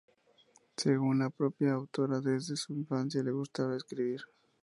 Según la propia autora desde su infancia le gustaba escribir.